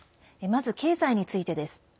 まず経済についてです。